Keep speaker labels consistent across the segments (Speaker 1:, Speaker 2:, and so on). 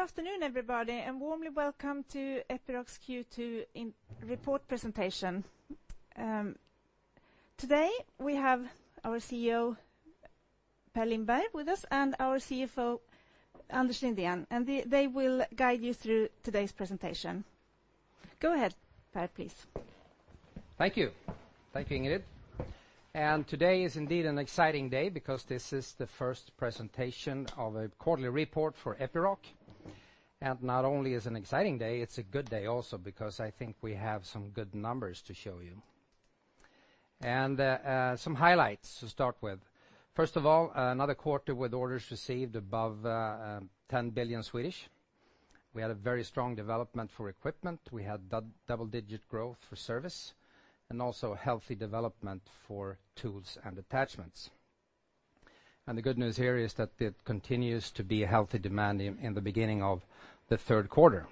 Speaker 1: Good afternoon, everybody. Warmly welcome to Epiroc's Q2 report presentation. Today we have our CEO, Per Lindberg, with us and our CFO, Anders Lindén. They will guide you through today's presentation. Go ahead, Per, please.
Speaker 2: Thank you. Thank you, Ingrid. Today is indeed an exciting day because this is the first presentation of a quarterly report for Epiroc. Not only is it an exciting day, it's a good day also because I think we have some good numbers to show you. Some highlights to start with. First of all, another quarter with orders received above 10 billion. We had a very strong development for equipment. We had double-digit growth for service, and also healthy development for tools and attachments. The good news here is that it continues to be a healthy demand in the beginning of the third quarter.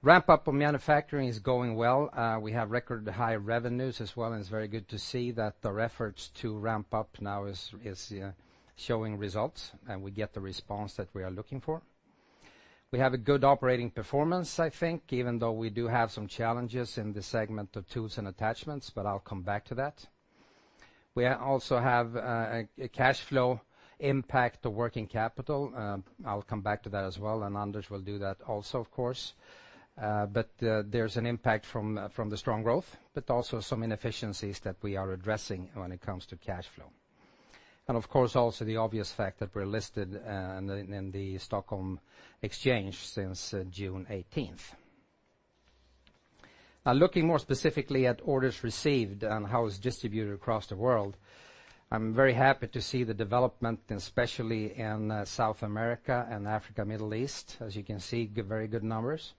Speaker 2: Ramp-up on manufacturing is going well. We have record high revenues as well. It's very good to see that our efforts to ramp up now is showing results, and we get the response that we are looking for. We have a good operating performance, I think, even though we do have some challenges in the segment of tools and attachments. I'll come back to that. We also have a cash flow impact to working capital. I'll come back to that as well, and Anders will do that also, of course. There's an impact from the strong growth, but also some inefficiencies that we are addressing when it comes to cash flow. Of course, also the obvious fact that we're listed in the Nasdaq Stockholm since June 18th. Looking more specifically at orders received and how it's distributed across the world, I'm very happy to see the development, especially in South America and Africa, Middle East. As you can see, very good numbers.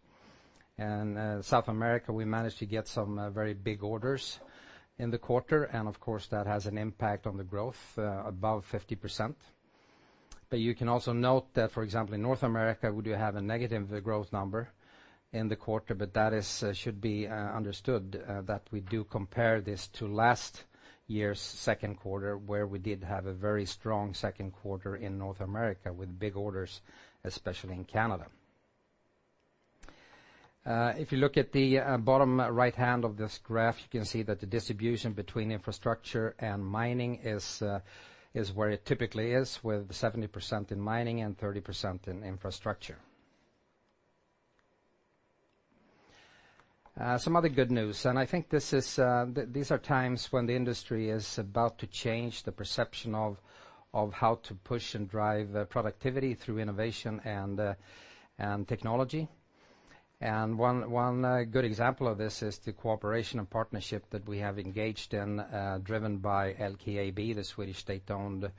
Speaker 2: In South America, we managed to get some very big orders in the quarter. Of course, that has an impact on the growth above 50%. You can also note that, for example, in North America, we do have a negative growth number in the quarter, but that should be understood that we do compare this to last year's second quarter, where we did have a very strong second quarter in North America with big orders, especially in Canada. If you look at the bottom right hand of this graph, you can see that the distribution between infrastructure and mining is where it typically is, with 70% in mining and 30% in infrastructure. Some other good news. I think these are times when the industry is about to change the perception of how to push and drive productivity through innovation and technology. One good example of this is the cooperation and partnership that we have engaged in, driven by LKAB, the Swedish state-owned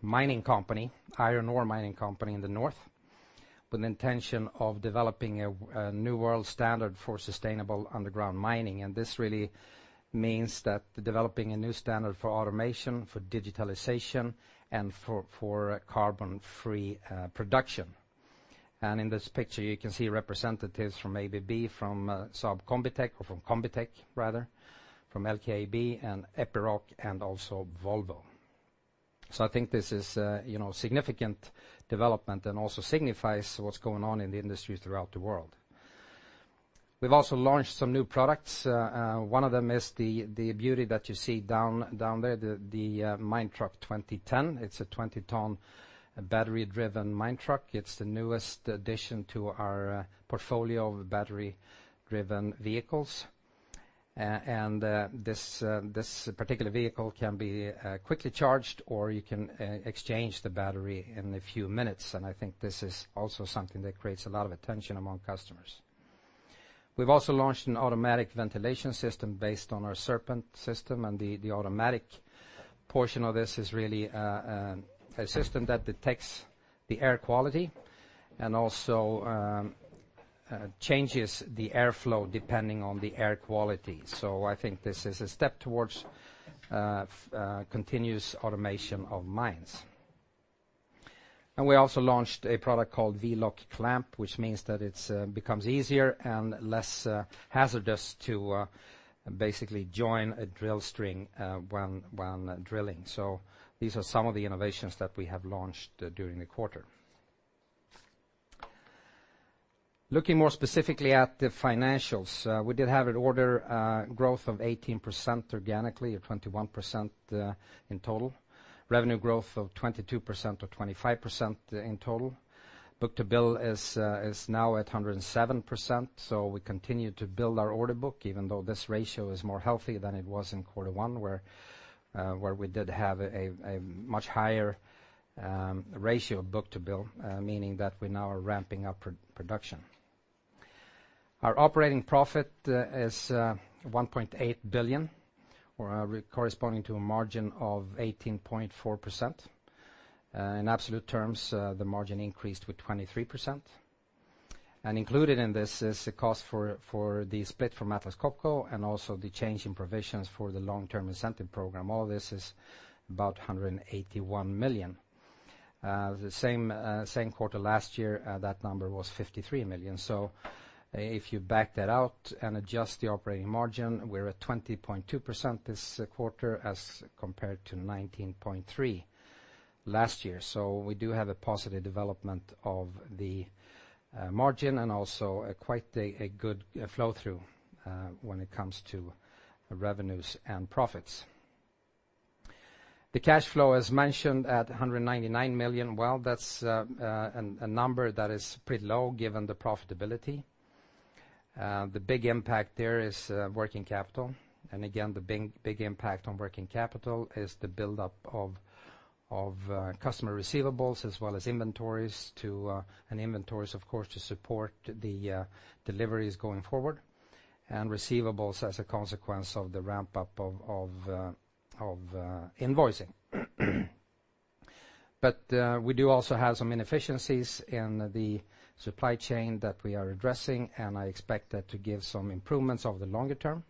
Speaker 2: mining company, iron ore mining company in the north, with an intention of developing a new world standard for sustainable underground mining. This really means that developing a new standard for automation, for digitalization, and for carbon-free production. In this picture, you can see representatives from ABB, from Combitech, or from Combitech rather, from LKAB and Epiroc and also Volvo. I think this is a significant development and also signifies what's going on in the industry throughout the world. We've also launched some new products. One of them is the beauty that you see down there, the Minetruck 2010. It's a 20-ton battery-driven mine truck. It's the newest addition to our portfolio of battery-driven vehicles. This particular vehicle can be quickly charged, or you can exchange the battery in a few minutes. I think this is also something that creates a lot of attention among customers. We've also launched an automatic ventilation system based on our Serpent system. The automatic portion of this is really a system that detects the air quality and also changes the airflow depending on the air quality. I think this is a step towards continuous automation of mines. We also launched a product called V-LOK clamp, which means that it becomes easier and less hazardous to basically join a drill string when drilling. These are some of the innovations that we have launched during the quarter. Looking more specifically at the financials, we did have an order growth of 18% organically, or 21% in total. Revenue growth of 22% or 25% in total. book-to-bill is now at 107%, we continue to build our order book, even though this ratio is more healthy than it was in quarter one, where we did have a much higher ratio of book-to-bill, meaning that we now are ramping up production. Our operating profit is 1.8 billion, corresponding to a margin of 18.4%. In absolute terms, the margin increased with 23%. Included in this is the cost for the split from Atlas Copco and also the change in provisions for the long-term incentive program. All this is about 181 million. The same quarter last year, that number was 53 million. If you back that out and adjust the operating margin, we're at 20.2% this quarter as compared to 19.3% last year. We do have a positive development of the margin and also quite a good flow-through when it comes to revenues and profits. The cash flow, as mentioned, at 199 million. That's a number that is pretty low given the profitability. The big impact there is working capital. Again, the big impact on working capital is the buildup of customer receivables as well as inventories, and inventories, of course, to support the deliveries going forward, and receivables as a consequence of the ramp-up of invoicing. We do also have some inefficiencies in the supply chain that we are addressing, and I expect that to give some improvements over the longer term.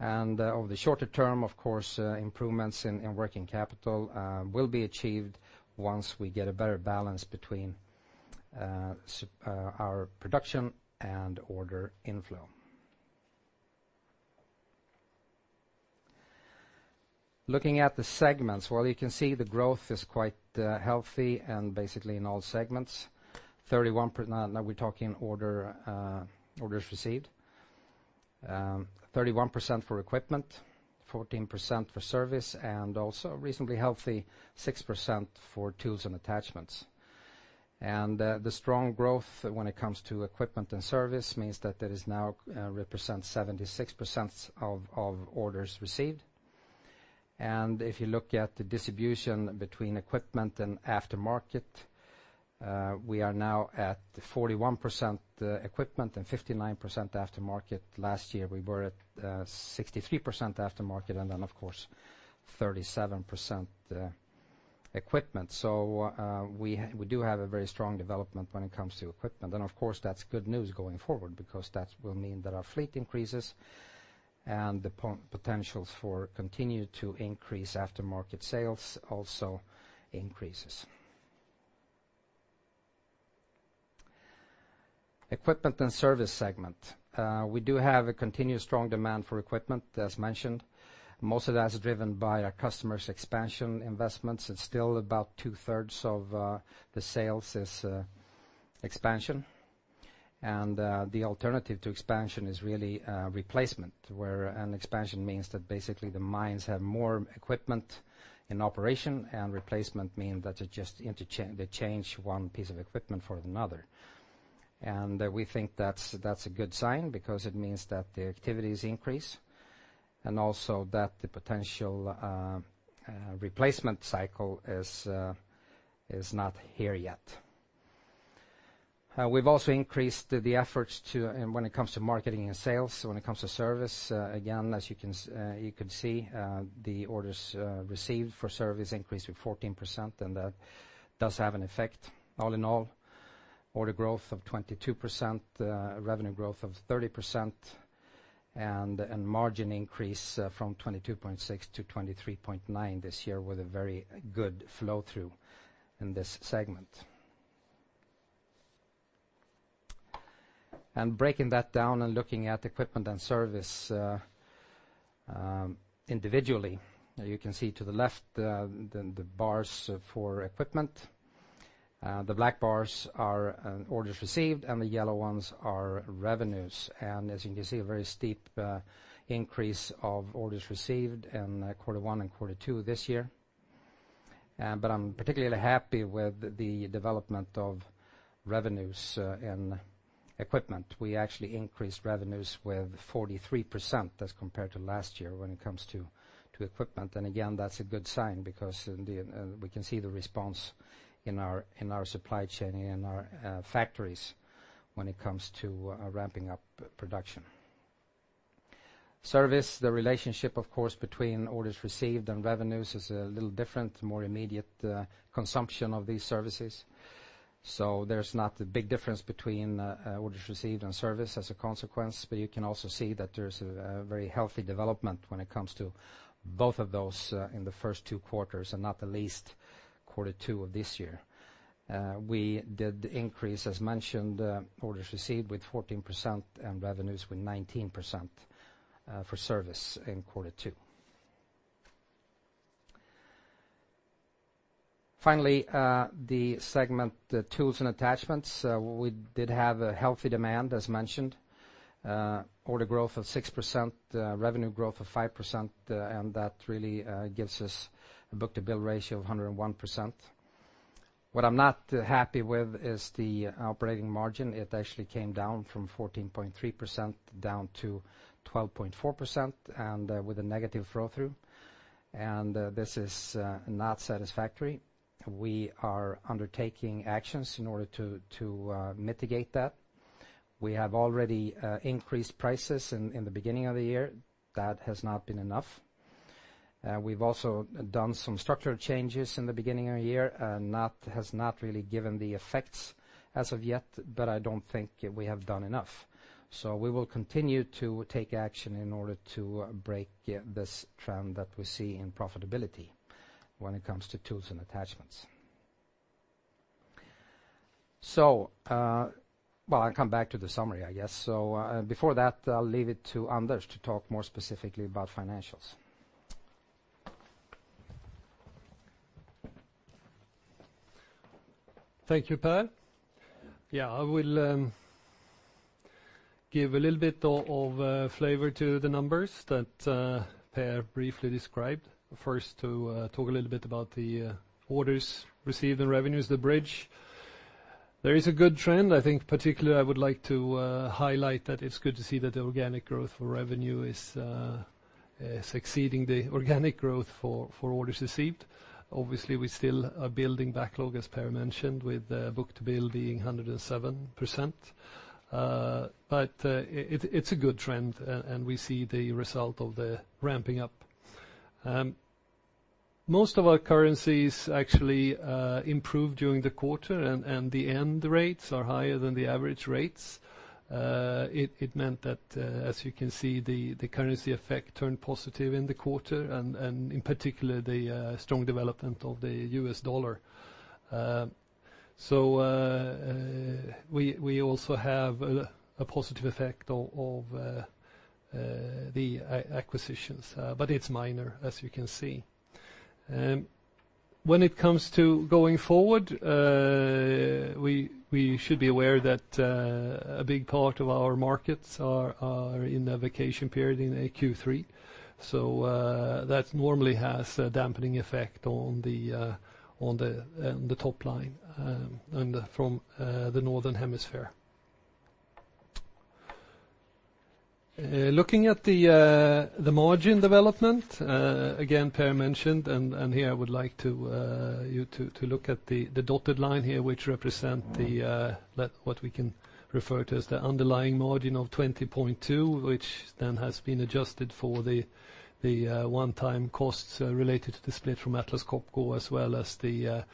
Speaker 2: Over the shorter term, of course, improvements in working capital will be achieved once we get a better balance between our production and order inflow. Looking at the segments, while you can see the growth is quite healthy and basically in all segments. Now we're talking orders received. 31% for equipment, 14% for service, and also a reasonably healthy 6% for tools and attachments. The strong growth when it comes to equipment and service means that it now represents 76% of orders received. If you look at the distribution between equipment and aftermarket, we are now at 41% equipment and 59% aftermarket. Last year, we were at 63% aftermarket and then, of course, 37% equipment. We do have a very strong development when it comes to equipment, and of course, that's good news going forward because that will mean that our fleet increases and the potentials for continue to increase aftermarket sales also increases. Equipment and service segment. We do have a continued strong demand for equipment, as mentioned. Most of that is driven by our customers' expansion investments. It's still about two-thirds of the sales is expansion. The alternative to expansion is really replacement, where an expansion means that basically the mines have more equipment in operation, and replacement mean that they change one piece of equipment for another. We think that's a good sign because it means that the activities increase, and also that the potential replacement cycle is not here yet. We've also increased the efforts when it comes to marketing and sales, when it comes to service, again, as you could see, the orders received for service increased with 14%, and that does have an effect. All in all, order growth of 22%, revenue growth of 30%, and margin increase from 22.6% to 23.9% this year with a very good flow-through in this segment. Breaking that down and looking at equipment and service individually. You can see to the left, the bars for equipment. The black bars are orders received, and the yellow ones are revenues. As you can see, a very steep increase of orders received in quarter one and quarter two this year. I'm particularly happy with the development of revenues in equipment. We actually increased revenues with 43% as compared to last year when it comes to equipment. Again, that's a good sign because we can see the response in our supply chain, in our factories when it comes to ramping up production. Service, the relationship, of course, between orders received and revenues is a little different, more immediate consumption of these services. There's not a big difference between orders received and service as a consequence. You can also see that there's a very healthy development when it comes to both of those in the first two quarters, and not the least quarter two of this year. We did increase, as mentioned, orders received with 14% and revenues with 19% for service in quarter two. Finally, the segment, tools and attachments. We did have a healthy demand, as mentioned, order growth of 6%, revenue growth of 5%, and that really gives us a book-to-bill ratio of 101%. What I'm not happy with is the operating margin. It actually came down from 14.3% down to 12.4%, and with a negative flow-through. This is not satisfactory. We are undertaking actions in order to mitigate that. We have already increased prices in the beginning of the year. That has not been enough. We've also done some structural changes in the beginning of the year, that has not really given the effects as of yet, but I don't think we have done enough. We will continue to take action in order to break this trend that we see in profitability when it comes to tools and attachments. I'll come back to the summary, I guess. Before that, I'll leave it to Anders to talk more specifically about financials.
Speaker 3: Thank you, Per. I will give a little bit of flavor to the numbers that Per briefly described. First, to talk a little bit about the orders received and revenues, the bridge. There is a good trend. I think particularly I would like to highlight that it's good to see that the organic growth for revenue is succeeding the organic growth for orders received. Obviously, we still are building backlog, as Per mentioned, with book-to-bill being 107%. It's a good trend, and we see the result of the ramping up. Most of our currencies actually improved during the quarter, and the end rates are higher than the average rates. It meant that, as you can see, the currency effect turned positive in the quarter, and in particular, the strong development of the US dollar. We also have a positive effect of the acquisitions, but it's minor, as you can see. When it comes to going forward, we should be aware that a big part of our markets are in their vacation period in Q3, so that normally has a dampening effect on the top line from the northern hemisphere. Looking at the margin development, again, Per mentioned, and here I would like you to look at the dotted line here, which represent what we can refer to as the underlying margin of 20.2, which then has been adjusted for the one-time costs related to the split from Atlas Copco, as well as the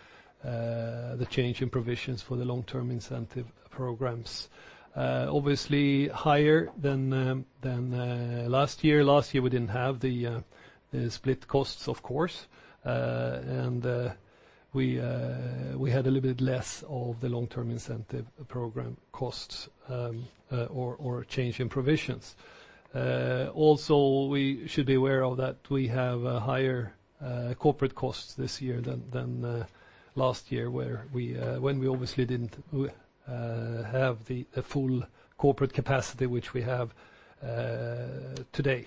Speaker 3: change in provisions for the long-term incentive programs. Obviously higher than last year. Last year we didn't have the split costs, of course, and we had a little bit less of the long-term incentive program costs or change in provisions. We should be aware that we have higher corporate costs this year than last year, when we obviously didn't have the full corporate capacity, which we have today.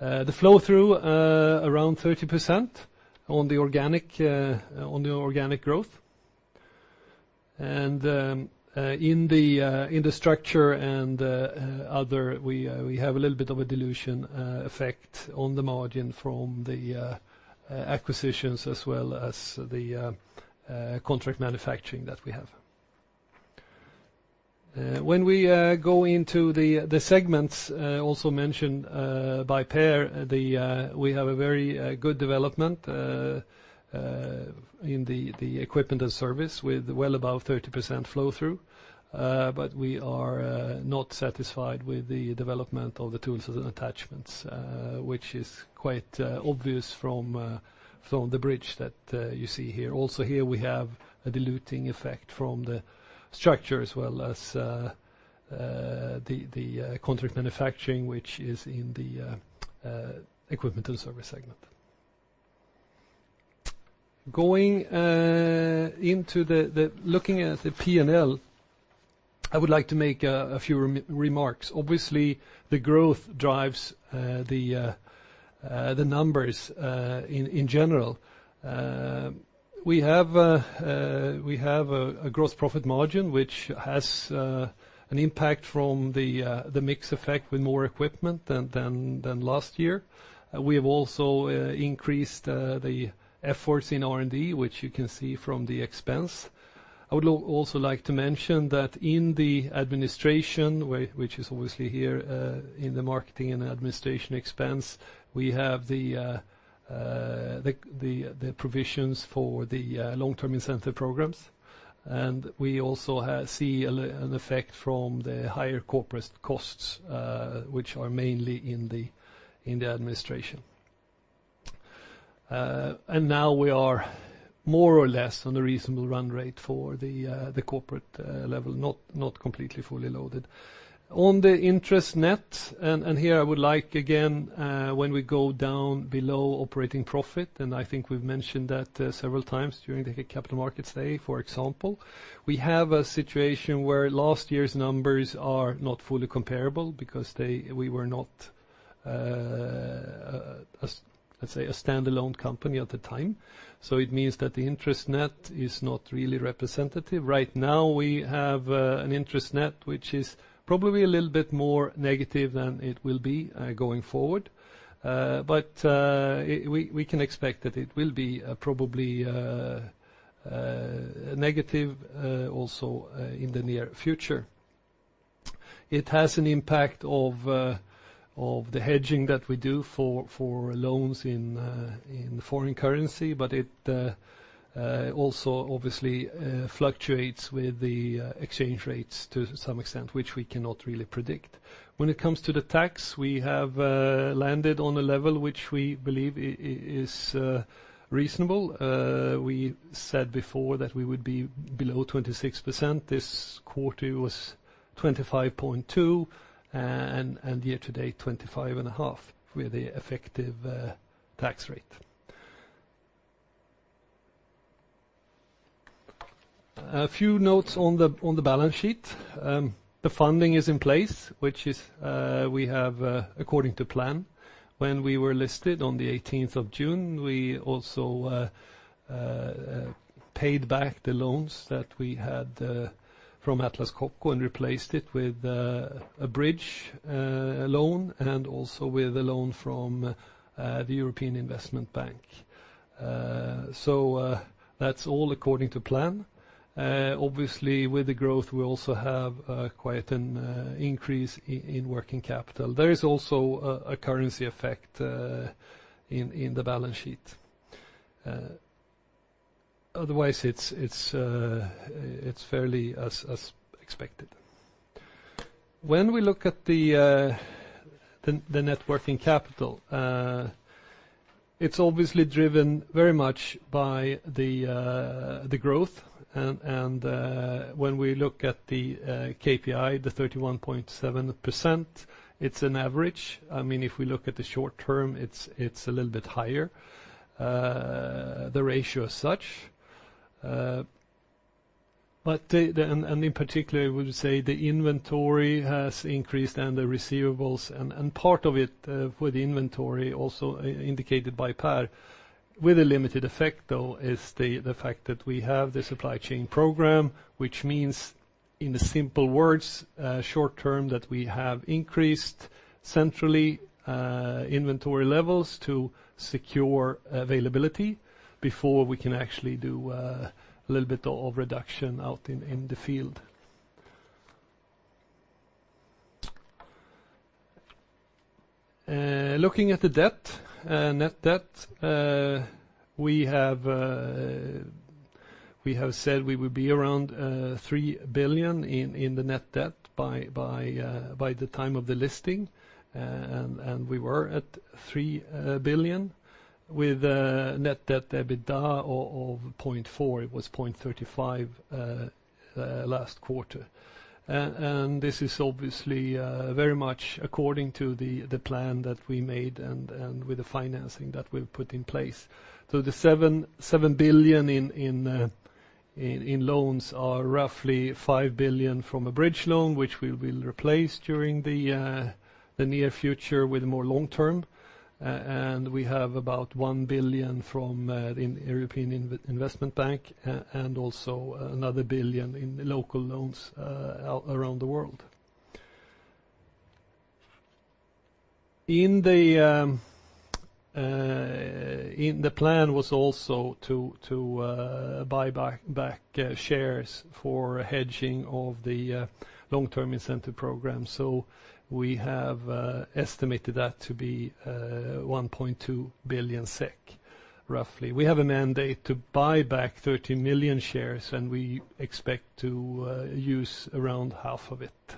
Speaker 3: The flow-through, around 30% on the organic growth, and in the structure and other, we have a little bit of a dilution effect on the margin from the acquisitions, as well as the contract manufacturing that we have. When we go into the segments also mentioned by Per, we have a very good development in the equipment and service with well above 30% flow-through. We are not satisfied with the development of the tools and attachments, which is quite obvious from the bridge that you see here. Here, we have a diluting effect from the structure as well as the contract manufacturing, which is in the equipment and service segment. Looking at the P&L, I would like to make a few remarks. Obviously, the growth drives the numbers in general. We have a gross profit margin, which has an impact from the mix effect with more equipment than last year. We have also increased the efforts in R&D, which you can see from the expense. I would also like to mention that in the administration, which is obviously here in the marketing and administration expense, we have the provisions for the long-term incentive programs, and we also see an effect from the higher corporate costs, which are mainly in the administration. Now we are more or less on a reasonable run rate for the corporate level, not completely fully loaded. On the interest net, here I would like, again, when we go down below operating profit, and I think we've mentioned that several times during the Capital Markets Day, for example. We have a situation where last year's numbers are not fully comparable because we were not, let's say, a standalone company at the time. It means that the interest net is not really representative. Right now, we have an interest net, which is probably a little bit more negative than it will be going forward. We can expect that it will be probably negative also in the near future. It has an impact of the hedging that we do for loans in foreign currency, but it also obviously fluctuates with the exchange rates to some extent, which we cannot really predict. When it comes to the tax, we have landed on a level which we believe is reasonable. We said before that we would be below 26%. This quarter it was 25.2, and year-to-date, 25.5 with the effective tax rate. A few notes on the balance sheet. The funding is in place, which we have according to plan. When we were listed on the 18th of June, we also paid back the loans that we had from Atlas Copco and replaced it with a bridge loan and also with a loan from the European Investment Bank. That's all according to plan. Obviously, with the growth, we also have quite an increase in working capital. There is also a currency effect in the balance sheet. Otherwise, it's fairly as expected. When we look at the net working capital, it's obviously driven very much by the growth, when we look at the KPI, the 31.7%, it's an average. If we look at the short term, it's a little bit higher, the ratio as such. In particular, I would say the inventory has increased and the receivables, and part of it for the inventory, also indicated by Per, with a limited effect, though, is the fact that we have the supply chain program, which means, in the simple words, short-term, that we have increased centrally inventory levels to secure availability before we can actually do a little bit of reduction out in the field. Looking at the net debt, we have said we will be around 3 billion in the net debt by the time of the listing, and we were at 3 billion with net debt EBITDA of 0.4. It was 0.35 last quarter. This is obviously very much according to the plan that we made and with the financing that we have put in place. The 7 billion in loans are roughly 5 billion from a bridge loan, which we will replace during the near future with more long-term. We have about 1 billion from the European Investment Bank and also another 1 billion in local loans around the world. The plan was also to buy back shares for hedging of the long-term incentive program. We have estimated that to be 1.2 billion SEK, roughly. We have a mandate to buy back 30 million shares, and we expect to use around half of it,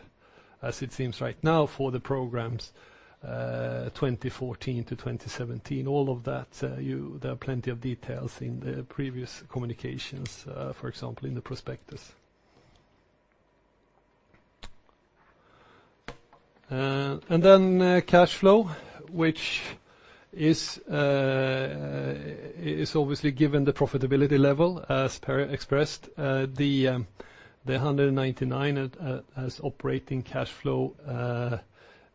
Speaker 3: as it seems right now, for the programs 2014 to 2017. All of that, there are plenty of details in the previous communications, for example, in the prospectus. Then cash flow, which is obviously given the profitability level, as Per expressed, the 199 as operating cash flow,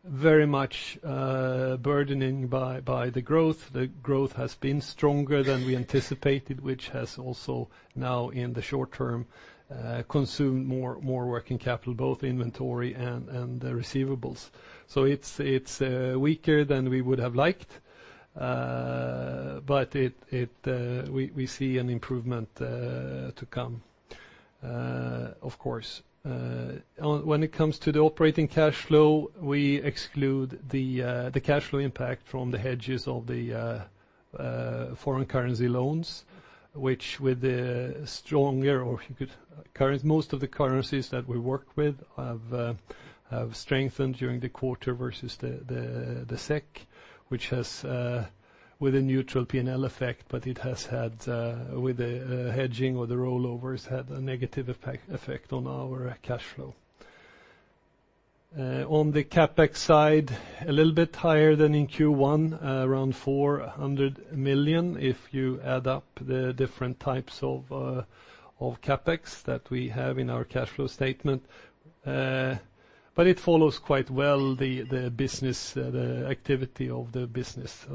Speaker 3: very much burdening by the growth. The growth has been stronger than we anticipated, which has also now in the short term consumed more working capital, both inventory and the receivables. So it is weaker than we would have liked, but we see an improvement to come, of course. When it comes to the operating cash flow, we exclude the cash flow impact from the hedges of the foreign currency loans, which with most of the currencies that we work with have strengthened during the quarter versus the SEK, which has with a neutral P&L effect, but it has had, with the hedging or the rollovers, had a negative effect on our cash flow. On the CapEx side, a little bit higher than in Q1, around 400 million, if you add up the different types of CapEx that we have in our cash flow statement. But it follows quite well the level of activity of the business.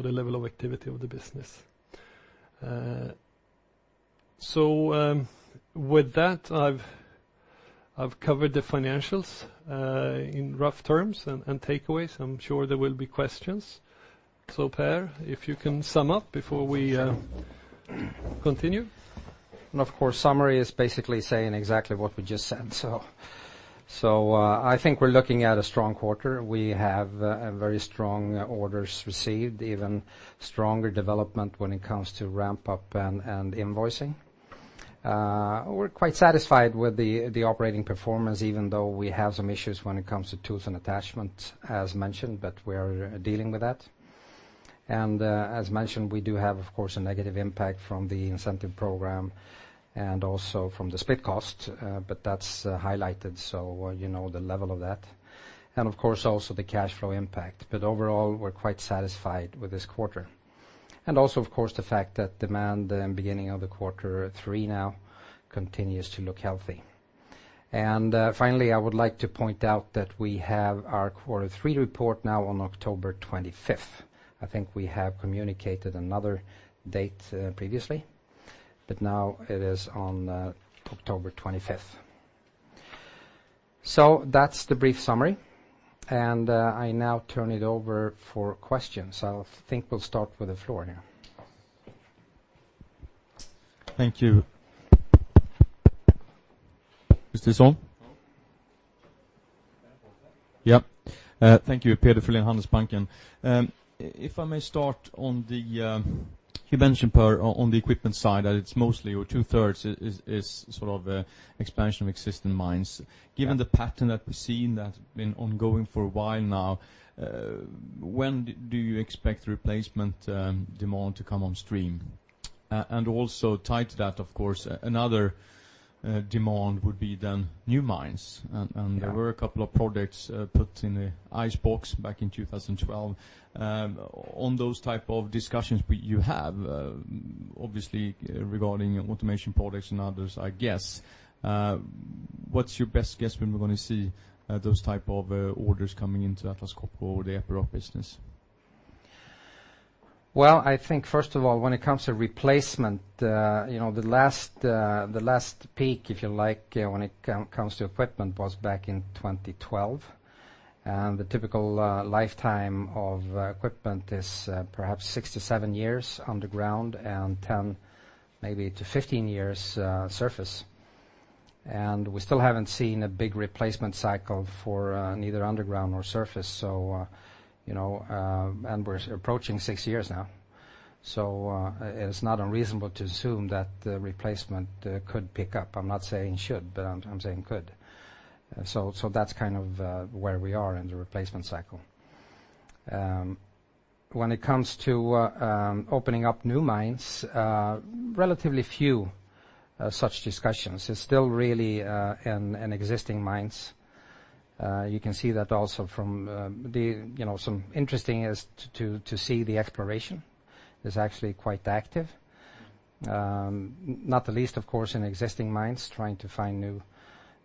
Speaker 3: With that, I have covered the financials in rough terms and takeaways. I am sure there will be questions. Per, if you can sum up before we continue.
Speaker 2: Of course, summary is basically saying exactly what we just said. I think we are looking at a strong quarter. We have very strong orders received, even stronger development when it comes to ramp-up and invoicing. We are quite satisfied with the operating performance, even though we have some issues when it comes to tools and attachments, as mentioned, but we are dealing with that. As mentioned, we do have, of course, a negative impact from the incentive program and also from the split cost. But that is highlighted, so you know the level of that. Of course, also the cash flow impact. But overall, we are quite satisfied with this quarter. Also, of course, the fact that demand in beginning of the quarter 3 now continues to look healthy. Finally, I would like to point out that we have our quarter 3 report now on October 25th. I think we have communicated another date previously, now it is on October 25th. That's the brief summary, I now turn it over for questions. I think we'll start with the floor now.
Speaker 4: Thank you. Is this on?
Speaker 2: No.
Speaker 4: Thank you, Peter Folin, Handelsbanken. If I may start on the, you mentioned, Per, on the equipment side that it's mostly, or two-thirds is sort of expansion of existing mines. Given the pattern that we've seen that's been ongoing for a while now, when do you expect replacement demand to come on stream? Also tied to that, of course, another demand would be new mines.
Speaker 2: Yeah.
Speaker 4: There were a couple of projects put in the ice box back in 2012. On those type of discussions you have, obviously regarding automation projects and others, I guess. What's your best guess when we're going to see those type of orders coming into Atlas Copco or the Epiroc business?
Speaker 2: Well, I think first of all, when it comes to replacement, the last peak, if you like, when it comes to equipment was back in 2012. The typical lifetime of equipment is perhaps six to seven years underground and 10-15 years surface. We still haven't seen a big replacement cycle for neither underground or surface. We're approaching six years now, so it's not unreasonable to assume that the replacement could pick up. I'm not saying should, but I'm saying could. That's kind of where we are in the replacement cycle. When it comes to opening up new mines, relatively few such discussions. It's still really in existing mines. You can see that also from some interesting is to see the exploration is actually quite active. Not the least, of course, in existing mines, trying to find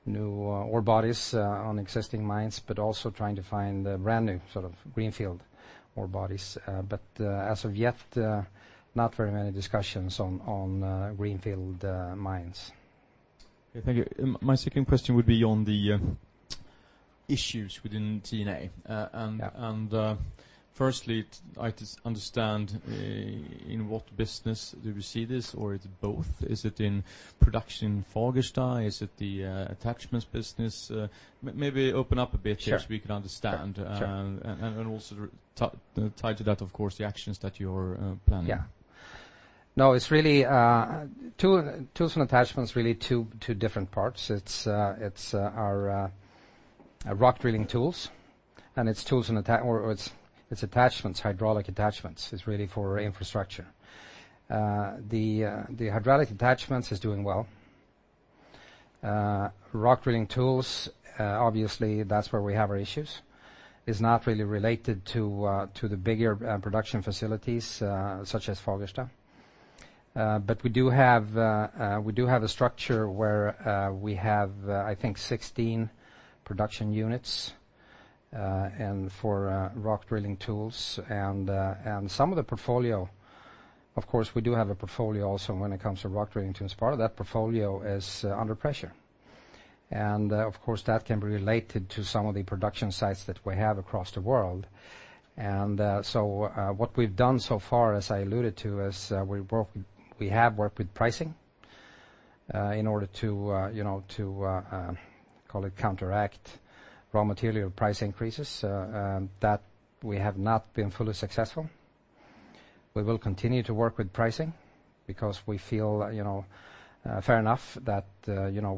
Speaker 2: new ore bodies on existing mines, but also trying to find brand new sort of greenfield ore bodies. As of yet, not very many discussions on greenfield mines.
Speaker 4: Okay, thank you. My second question would be on the issues within T&A.
Speaker 2: Yeah.
Speaker 4: Firstly, I just understand in what business do we see this or it's both? Is it in production Fagersta? Is it the attachments business? Maybe open up a bit here-
Speaker 2: Sure
Speaker 4: We can understand.
Speaker 2: Sure.
Speaker 4: Also tied to that, of course, the actions that you're planning.
Speaker 2: Yeah. No, it's really tools and attachments, really two different parts. It's our rock drilling tools and its attachments, hydraulic attachments. It's really for infrastructure. The hydraulic attachments is doing well. Rock drilling tools, obviously that's where we have our issues, is not really related to the bigger production facilities, such as Fagersta. We do have a structure where we have, I think 16 production units, and for rock drilling tools. Some of the portfolio, of course, we do have a portfolio also when it comes to rock drilling tools. Part of that portfolio is under pressure. Of course, that can be related to some of the production sites that we have across the world. What we've done so far, as I alluded to, is we have worked with pricing, in order to call it counteract raw material price increases, that we have not been fully successful. We will continue to work with pricing because we feel, fair enough that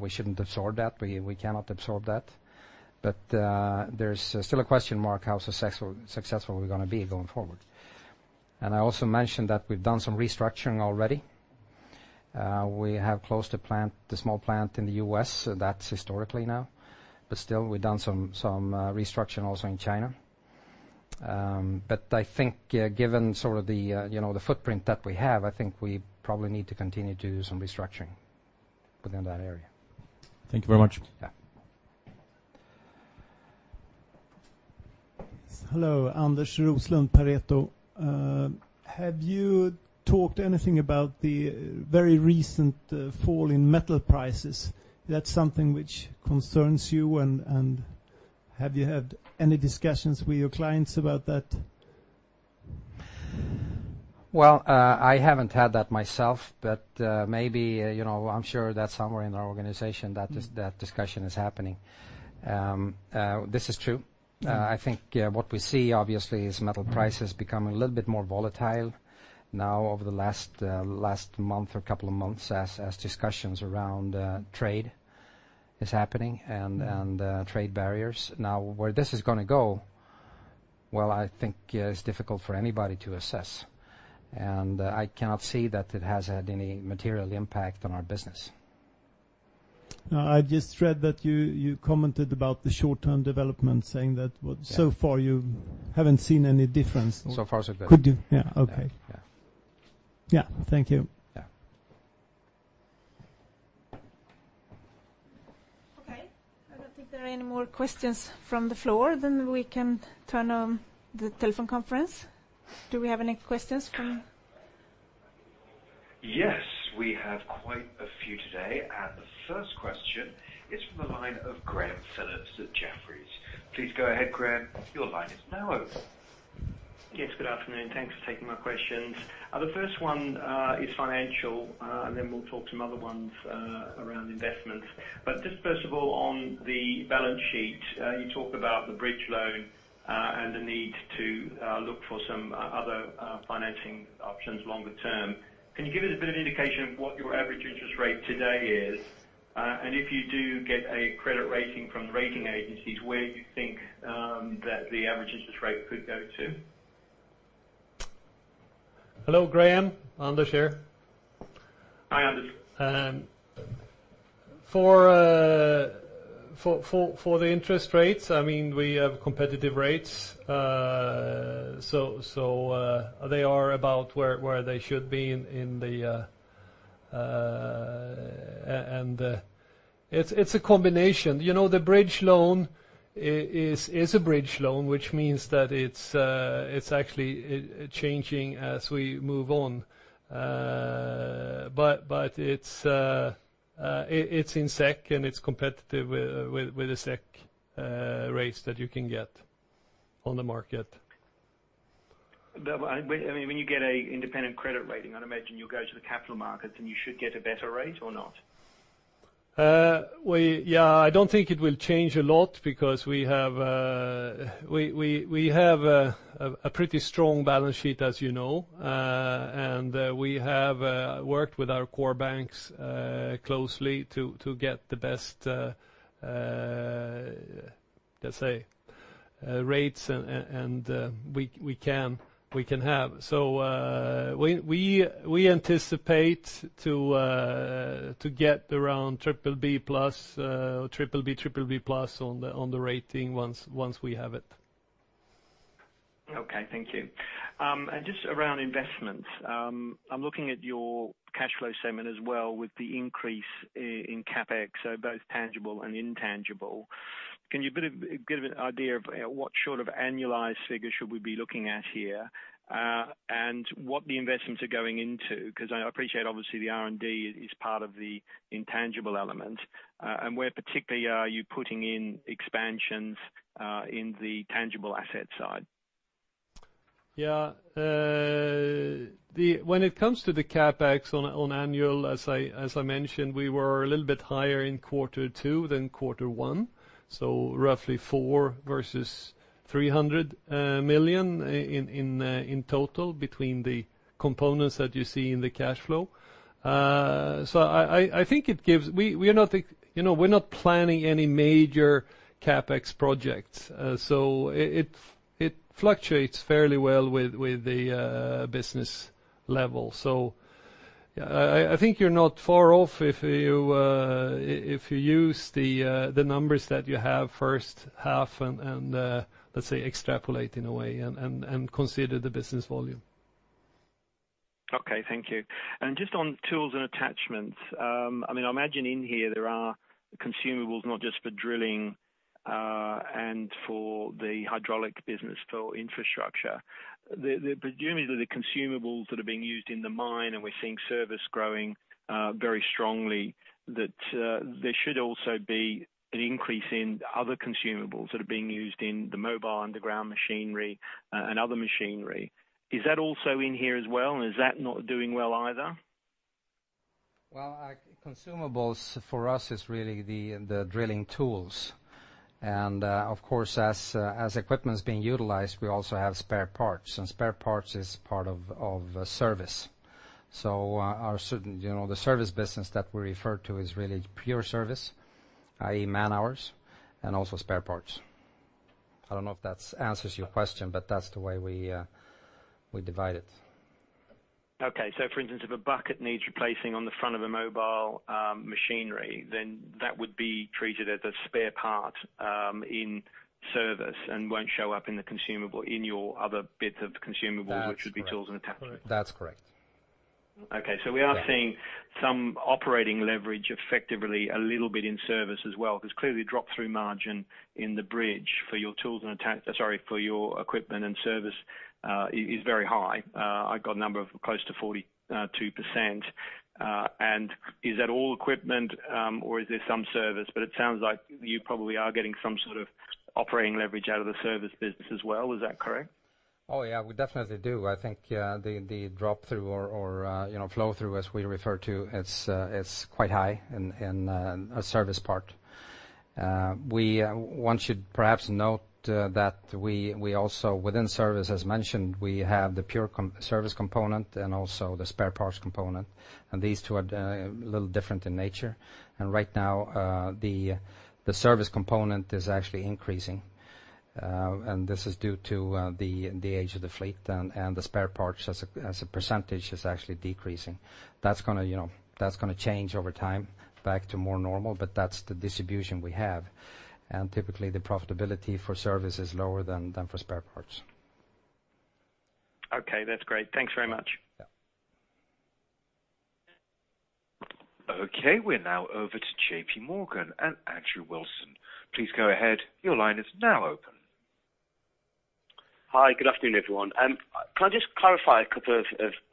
Speaker 2: we shouldn't absorb that. We cannot absorb that. There's still a question mark how successful we're going to be going forward. I also mentioned that we've done some restructuring already. We have closed a small plant in the U.S., so that's historically now. Still, we've done some restructuring also in China. I think given sort of the footprint that we have, I think we probably need to continue to do some restructuring within that area.
Speaker 4: Thank you very much.
Speaker 2: Yeah.
Speaker 5: Hello. Anders Roslund, Pareto. Have you talked anything about the very recent fall in metal prices? Is that something which concerns you and have you had any discussions with your clients about that?
Speaker 2: Well, I haven't had that myself, I'm sure that somewhere in our organization that discussion is happening. This is true. I think what we see, obviously, is metal prices becoming a little bit more volatile now over the last month or couple of months as discussions around trade is happening and trade barriers. Where this is going to go, well, I think it's difficult for anybody to assess, I cannot see that it has had any material impact on our business.
Speaker 3: No, I just read that you commented about the short-term development, saying that so far you haven't seen any difference.
Speaker 5: far, so good. Yeah. Okay.
Speaker 2: Yeah. Yeah. Thank you. Yeah.
Speaker 1: Okay. I don't think there are any more questions from the floor, then we can turn on the telephone conference. Do we have any questions from
Speaker 6: Yes, we have quite a few today. The first question is from the line of Graham Phillips at Jefferies. Please go ahead, Graham. Your line is now open.
Speaker 7: Yes, good afternoon. Thanks for taking my questions. The first one is financial, and then we'll talk some other ones around investments. Just first of all, on the balance sheet, you talked about the bridge loan, and the need to look for some other financing options longer term. Can you give us a bit of an indication of what your average interest rate today is? If you do get a credit rating from the rating agencies, where you think that the average interest rate could go to?
Speaker 3: Hello, Graham. Anders here.
Speaker 7: Hi, Anders.
Speaker 3: For the interest rates, we have competitive rates, they are about where they should be. It's a combination. The bridge loan is a bridge loan, which means that it's actually changing as we move on. It's in SEK, and it's competitive with the SEK rates that you can get on the market.
Speaker 7: When you get an independent credit rating, I'd imagine you'll go to the capital markets, you should get a better rate or not?
Speaker 3: Yeah, I don't think it will change a lot because we have a pretty strong balance sheet, as you know. We have worked with our core banks closely to get the best, let's say, rates, and we can have. We anticipate to get around BBB plus, BBB plus on the rating once we have it.
Speaker 7: Okay. Thank you. Just around investments, I'm looking at your cash flow statement as well with the increase in CapEx, both tangible and intangible. Can you give an idea of what sort of annualized figure should we be looking at here? What the investments are going into? Because I appreciate obviously the R&D is part of the intangible element. Where particularly are you putting in expansions in the tangible asset side?
Speaker 3: Yeah. When it comes to the CapEx on annual, as I mentioned, we were a little bit higher in quarter two than quarter one, roughly 400 million versus 300 million in total between the components that you see in the cash flow. We're not planning any major CapEx projects. It fluctuates fairly well with the business level. I think you're not far off if you use the numbers that you have first half and, let's say, extrapolate in a way and consider the business volume.
Speaker 7: Okay. Thank you. Just on tools and attachments, I imagine in here there are consumables not just for drilling, and for the hydraulic business for infrastructure. Presumably, they're the consumables that are being used in the mine, and we're seeing service growing very strongly, that there should also be an increase in other consumables that are being used in the mobile underground machinery and other machinery. Is that also in here as well, and is that not doing well either?
Speaker 2: Well, consumables for us is really the drilling tools. Of course, as equipment's being utilized, we also have spare parts, and spare parts is part of service. The service business that we refer to is really pure service, i.e. man-hours and also spare parts. I don't know if that answers your question, but that's the way we divide it.
Speaker 7: Okay. For instance, if a bucket needs replacing on the front of a mobile machinery, then that would be treated as a spare part in service and won't show up in your other bits of consumable.
Speaker 2: That's correct
Speaker 7: which would be tools and attachments.
Speaker 2: That's correct.
Speaker 7: Okay. We are seeing some operating leverage effectively a little bit in service as well, because clearly drop-through margin in the bridge for your equipment and service is very high. I got a number of close to 42%. Is that all equipment, or is there some service? It sounds like you probably are getting some sort of operating leverage out of the service business as well, is that correct?
Speaker 2: Oh, yeah. We definitely do. I think the drop-through or flow-through, as we refer to, is quite high in our service part. One should perhaps note that we also, within service, as mentioned, we have the pure service component and also the spare parts component, and these two are a little different in nature. Right now, the service component is actually increasing, and this is due to the age of the fleet, and the spare parts, as a percentage, is actually decreasing. That's going to change over time back to more normal, but that's the distribution we have. Typically, the profitability for service is lower than for spare parts.
Speaker 7: Okay. That's great. Thanks very much.
Speaker 2: Yeah.
Speaker 6: Okay, we're now over to J.P. Morgan and Andrew Wilson. Please go ahead. Your line is now open.
Speaker 8: Hi. Good afternoon, everyone. Can I just clarify a couple of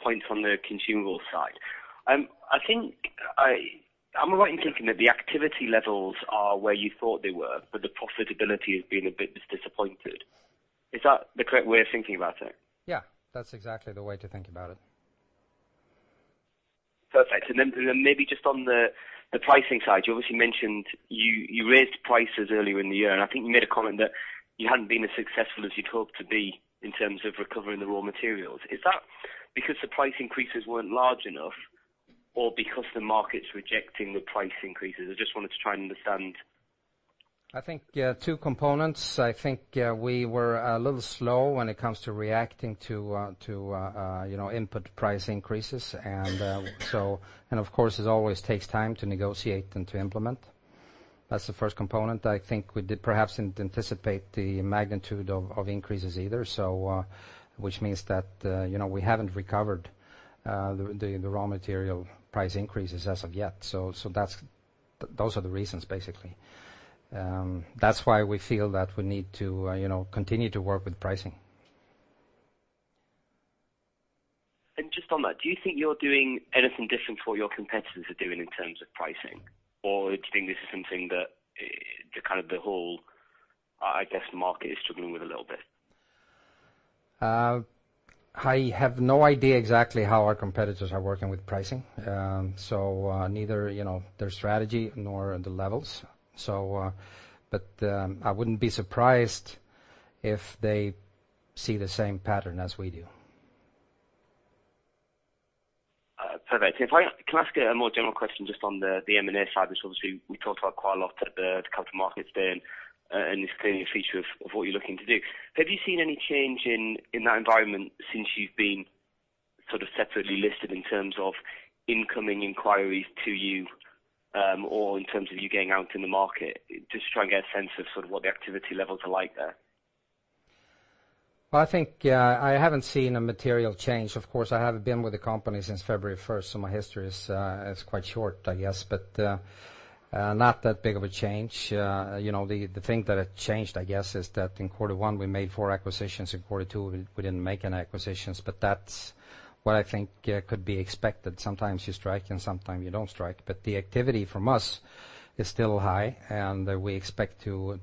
Speaker 8: points on the consumable side? I'm right in thinking that the activity levels are where you thought they were, but the profitability has been a bit disappointed. Is that the correct way of thinking about it?
Speaker 2: Yeah. That's exactly the way to think about it.
Speaker 8: Perfect. Maybe just on the pricing side, you obviously mentioned you raised prices earlier in the year, and I think you made a comment that you hadn't been as successful as you'd hoped to be in terms of recovering the raw materials. Is that because the price increases weren't large enough or because the market's rejecting the price increases? I just wanted to try and understand.
Speaker 2: I think, two components. I think we were a little slow when it comes to reacting to input price increases, and of course, it always takes time to negotiate than to implement. That's the first component. I think we did perhaps anticipate the magnitude of increases either, which means that we haven't recovered the raw material price increases as of yet. Those are the reasons, basically. That's why we feel that we need to continue to work with pricing.
Speaker 8: Just on that, do you think you're doing anything different to what your competitors are doing in terms of pricing, or do you think this is something that the whole market is struggling with a little bit?
Speaker 2: I have no idea exactly how our competitors are working with pricing. Neither their strategy nor the levels. I wouldn't be surprised if they see the same pattern as we do.
Speaker 8: Perfect. Can I ask a more general question just on the M&A side, which obviously we talked about quite a lot at the Capital Markets Day, it's clearly a feature of what you're looking to do. Have you seen any change in that environment since you've been separately listed in terms of incoming inquiries to you, or in terms of you going out in the market, just to try and get a sense of what the activity levels are like there?
Speaker 2: I think I haven't seen a material change. Of course, I have been with the company since February 1st, my history is quite short, I guess, not that big of a change. The thing that has changed, I guess, is that in quarter one, we made four acquisitions. In quarter two, we didn't make any acquisitions, that's what I think could be expected. Sometimes you strike and sometimes you don't strike, the activity from us is still high, we expect to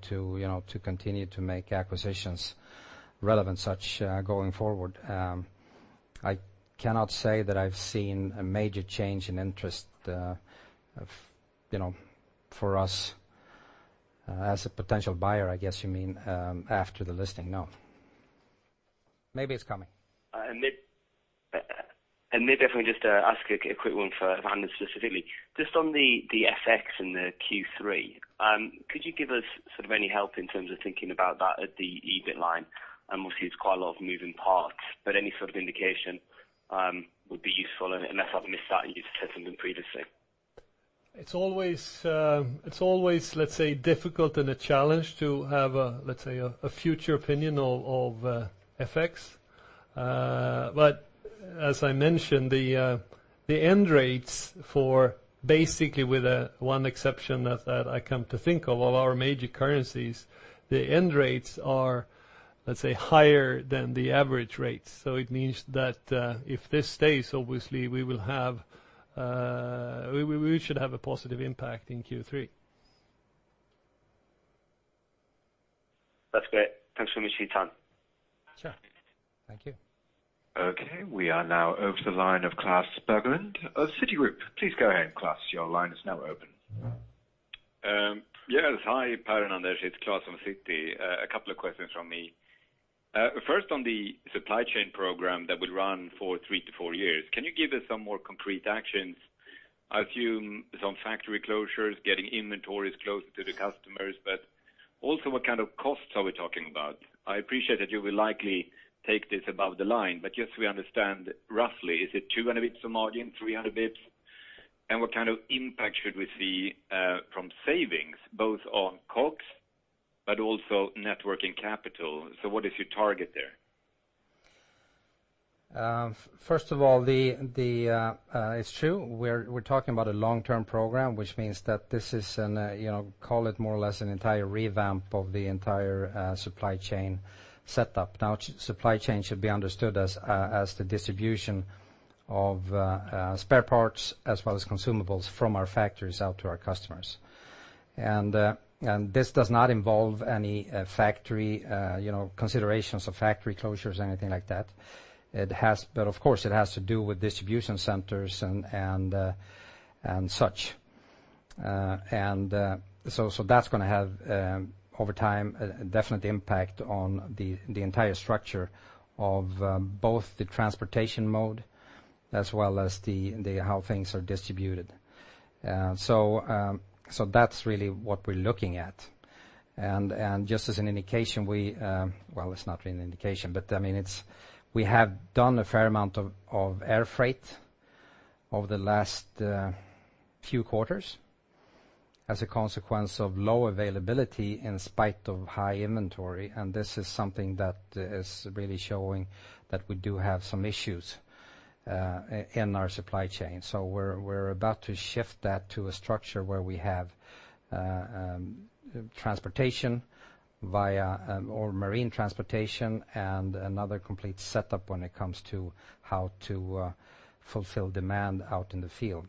Speaker 2: continue to make acquisitions relevant such going forward. I cannot say that I've seen a major change in interest for us as a potential buyer, I guess you mean, after the listing, no. Maybe it's coming.
Speaker 8: Maybe if we can just ask a quick one for Anders specifically. Just on the FX and the Q3, could you give us any help in terms of thinking about that at the EBIT line? Obviously, it's quite a lot of moving parts, any sort of indication would be useful, unless I've missed that you've said something previously.
Speaker 3: It's always, let's say, difficult and a challenge to have, let's say, a future opinion of FX. As I mentioned, the end rates for basically with one exception that I come to think of all our major currencies, the end rates are, let's say, higher than the average rates. It means that if this stays, obviously we should have a positive impact in Q3.
Speaker 8: That's great. Thanks very much for your time.
Speaker 3: Sure.
Speaker 2: Thank you.
Speaker 6: We are now over to the line of Klas Bergelind of Citigroup. Please go ahead, Klas. Your line is now open.
Speaker 9: Yes. Hi, Per and Anders. It's Klas from Citi. A couple of questions from me. First, on the supply chain program that will run for three to four years, can you give us some more concrete actions? I assume some factory closures, getting inventories closer to the customers. What kind of costs are we talking about? I appreciate that you will likely take this above the line, but just so we understand roughly, is it 200 basis points of margin, 300 basis points? What kind of impact should we see from savings, both on COGS but also net working capital? What is your target there?
Speaker 2: First of all, it's true. We're talking about a long-term program, which means that this is, call it more or less an entire revamp of the entire supply chain setup. Supply chain should be understood as the distribution of spare parts as well as consumables from our factories out to our customers. This does not involve any considerations of factory closures or anything like that. It has to do with distribution centers and such. That's going to have, over time, a definite impact on the entire structure of both the transportation mode as well as how things are distributed. That's really what we're looking at. Just as an indication, well, it's not really an indication, but we have done a fair amount of air freight over the last few quarters as a consequence of low availability in spite of high inventory, and this is something that is really showing that we do have some issues in our supply chain. We're about to shift that to a structure where we have transportation via marine transportation and another complete setup when it comes to how to fulfill demand out in the field.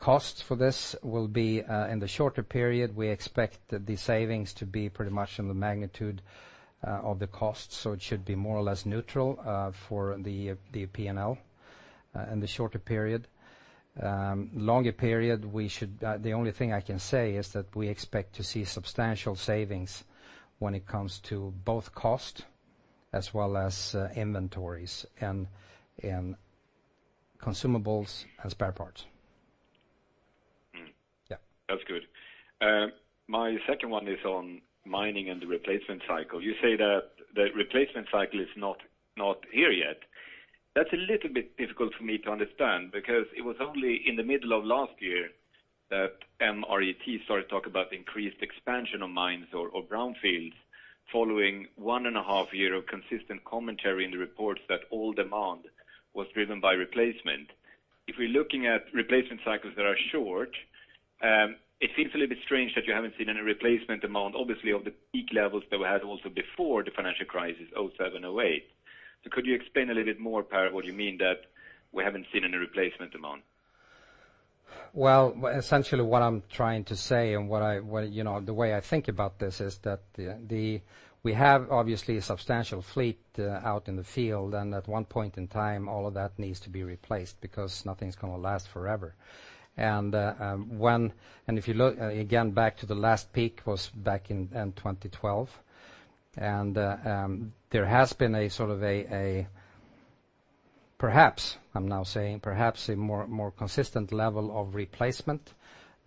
Speaker 2: Costs for this will be, in the shorter period, we expect the savings to be pretty much in the magnitude of the cost, so it should be more or less neutral for the P&L in the shorter period. Longer period, the only thing I can say is that we expect to see substantial savings when it comes to both cost as well as inventories in consumables and spare parts. Yeah.
Speaker 9: That's good. My second one is on mining and the replacement cycle. You say that the replacement cycle is not here yet. That's a little bit difficult for me to understand, because it was only in the middle of last year that MRET started to talk about increased expansion of mines or brownfields following one and a half year of consistent commentary in the reports that all demand was driven by replacement. If we're looking at replacement cycles that are short, it seems a little bit strange that you haven't seen any replacement demand, obviously of the peak levels that we had also before the financial crisis, 2007, 2008. Could you explain a little bit more, Per, what you mean that we haven't seen any replacement demand?
Speaker 2: Essentially what I'm trying to say and the way I think about this is that we have obviously a substantial fleet out in the field, at one point in time, all of that needs to be replaced because nothing's going to last forever. If you look again, back to the last peak was back in 2012. There has been a, perhaps, I'm now saying perhaps, a more consistent level of replacement.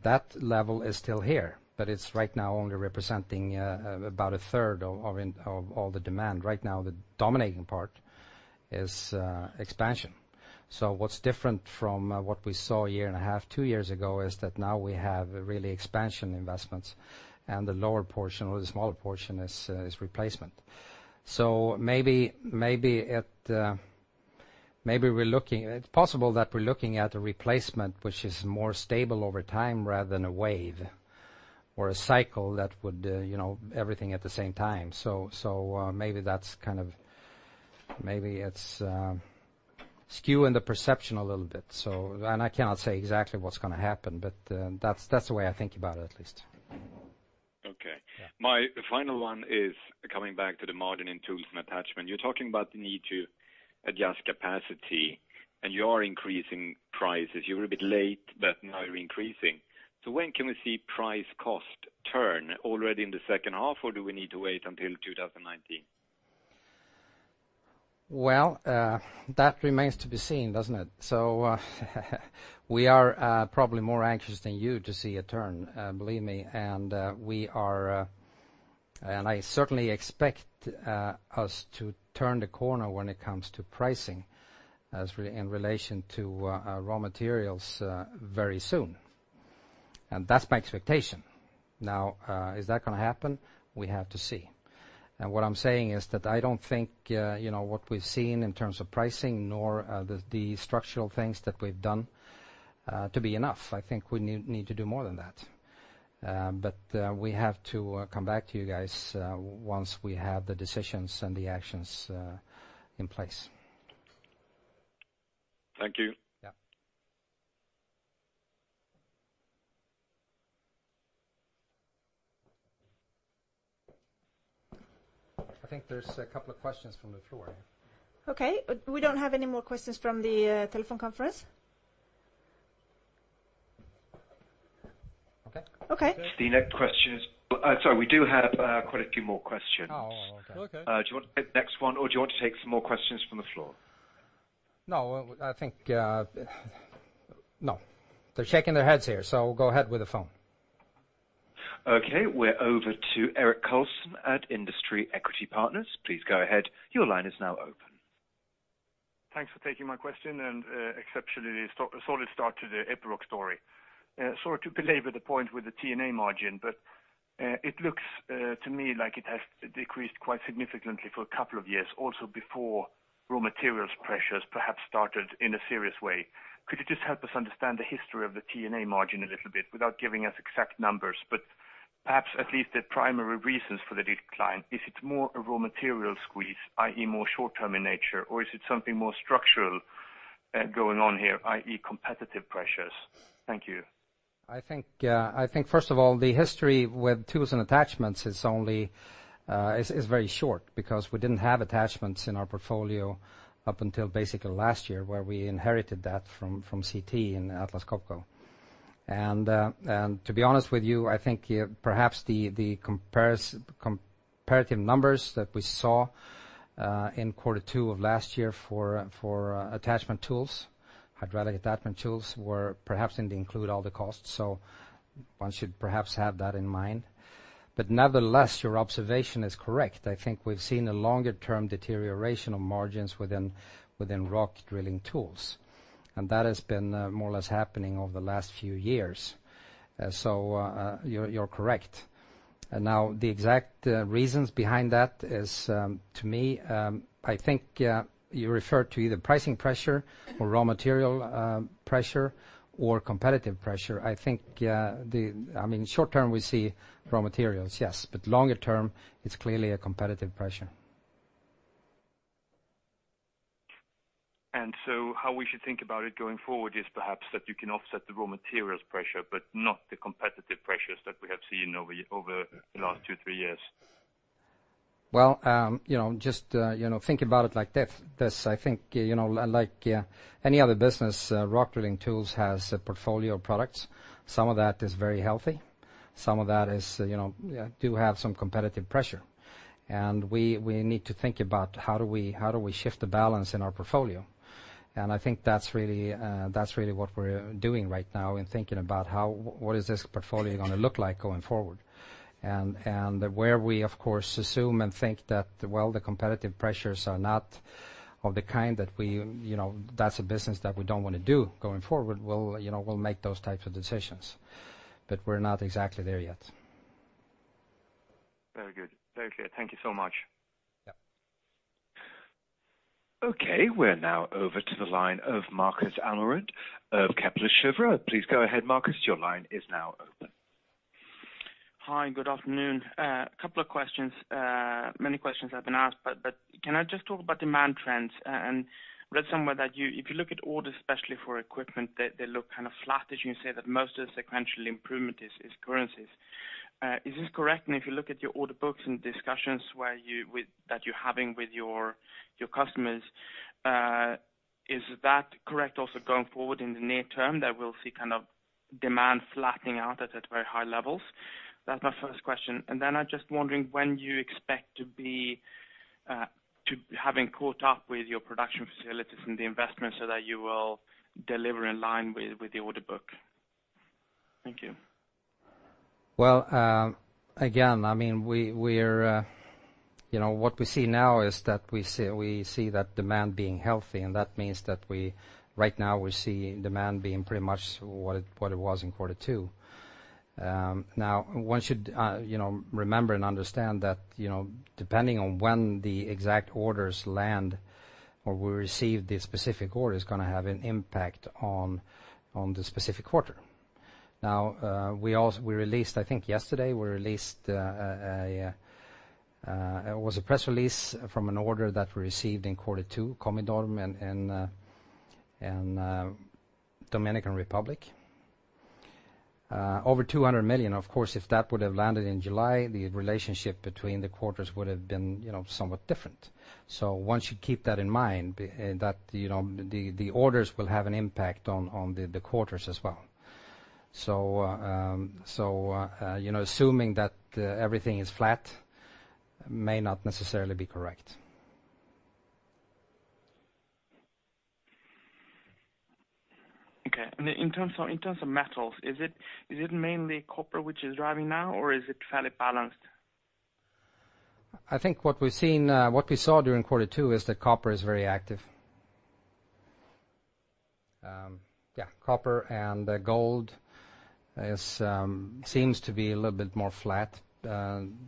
Speaker 2: That level is still here, but it's right now only representing about a third of all the demand. Right now, the dominating part is expansion. What's different from what we saw one and a half, two years ago, is that now we have really expansion investments, and the lower portion, or the smaller portion is replacement. It's possible that we're looking at a replacement which is more stable over time rather than a wave or a cycle that would, everything at the same time. Maybe it's skewing the perception a little bit. I cannot say exactly what's going to happen, but that's the way I think about it, at least.
Speaker 9: Okay.
Speaker 2: Yeah.
Speaker 9: My final one is coming back to the margin in tools and attachment. You're talking about the need to adjust capacity, you are increasing prices. You're a bit late, but now you're increasing. When can we see price cost turn? Already in the second half, or do we need to wait until 2019?
Speaker 2: Well, that remains to be seen, doesn't it? We are probably more anxious than you to see a turn, believe me. I certainly expect us to turn the corner when it comes to pricing in relation to raw materials very soon. That's my expectation. Now, is that going to happen? We have to see. What I'm saying is that I don't think what we've seen in terms of pricing, nor the structural things that we've done to be enough. I think we need to do more than that. We have to come back to you guys once we have the decisions and the actions in place.
Speaker 9: Thank you.
Speaker 2: Yeah. I think there's a couple of questions from the floor.
Speaker 6: Okay. We don't have any more questions from the telephone conference.
Speaker 2: Okay.
Speaker 1: Okay.
Speaker 6: Sorry, we do have quite a few more questions.
Speaker 2: Oh, okay. Okay.
Speaker 6: Do you want to take the next one, or do you want to take some more questions from the floor?
Speaker 2: No. They're shaking their heads here, we'll go ahead with the phone.
Speaker 6: Okay, we're over to Erik Karlsson at Industrial Equity Partners. Please go ahead. Your line is now open.
Speaker 10: Thanks for taking my question, exceptionally solid start to the Epiroc story. Sorry to belabor the point with the T&A margin, but it looks to me like it has decreased quite significantly for a couple of years, also before raw materials pressures perhaps started in a serious way. Could you just help us understand the history of the T&A margin a little bit without giving us exact numbers? Perhaps at least the primary reasons for the decline, is it more a raw material squeeze, i.e., more short-term in nature, or is it something more structural going on here, i.e., competitive pressures? Thank you.
Speaker 2: I think, first of all, the history with tools and attachments is very short because we didn't have attachments in our portfolio up until basically last year, where we inherited that from CT and Atlas Copco. To be honest with you, I think perhaps the comparative numbers that we saw in quarter two of last year for attachment tools, hydraulic attachment tools, were perhaps didn't include all the costs, so one should perhaps have that in mind. Nevertheless, your observation is correct. I think we've seen a longer-term deterioration of margins within rock drilling tools, that has been more or less happening over the last few years. You're correct. The exact reasons behind that is, to me, I think you refer to either pricing pressure or raw material pressure or competitive pressure. I think, short-term, we see raw materials, yes. Longer-term, it's clearly a competitive pressure.
Speaker 10: How we should think about it going forward is perhaps that you can offset the raw materials pressure, but not the competitive pressures that we have seen over the last two, three years.
Speaker 2: Well, just think about it like this. I think like any other business, rock drilling tools has a portfolio of products. Some of that is very healthy. Some of that do have some competitive pressure. We need to think about how do we shift the balance in our portfolio. I think that's really what we're doing right now in thinking about what is this portfolio going to look like going forward. Where we, of course, assume and think that the competitive pressures are not of the kind that that's a business that we don't want to do going forward, we'll make those types of decisions. We're not exactly there yet.
Speaker 10: Very good. Very clear. Thank you so much.
Speaker 2: Yeah.
Speaker 6: Okay, we're now over to the line of Marcus Almerud of Kepler Cheuvreux. Please go ahead, Marcus. Your line is now open.
Speaker 11: Hi, good afternoon. A couple of questions. Many questions have been asked, but can I just talk about demand trends? I read somewhere that if you look at orders, especially for equipment, that they look kind of flat, as you say, that most of the sequential improvement is currencies. Is this correct? If you look at your order books and discussions that you're having with your customers, is that correct also going forward in the near term, that we'll see demand flattening out at very high levels? That's my first question. Then I'm just wondering when you expect to having caught up with your production facilities and the investments so that you will deliver in line with the order book. Thank you.
Speaker 2: Well, again, what we see now is that demand being healthy, and that means that right now we see demand being pretty much what it was in quarter 2. One should remember and understand that depending on when the exact orders land or we receive the specific order is going to have an impact on the specific quarter. We released, I think yesterday, it was a press release from an order that we received in quarter 2, Cormidom in Dominican Republic. Over 200 million. Of course, if that would have landed in July, the relationship between the quarters would have been somewhat different. One should keep that in mind, that the orders will have an impact on the quarters as well. Assuming that everything is flat may not necessarily be correct.
Speaker 11: Okay. In terms of metals, is it mainly copper which is driving now, or is it fairly balanced?
Speaker 2: I think what we saw during quarter 2 is that copper is very active. Yeah, copper and gold seems to be a little bit more flat, again,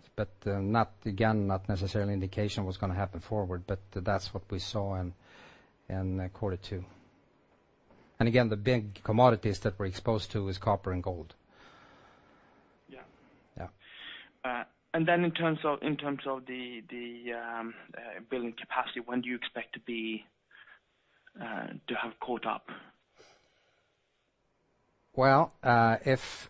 Speaker 2: not necessarily an indication of what's going to happen forward, but that's what we saw in quarter 2. Again, the big commodities that we're exposed to is copper and gold.
Speaker 11: Yeah.
Speaker 2: Yeah.
Speaker 11: In terms of the building capacity, when do you expect to have caught up?
Speaker 2: Well, if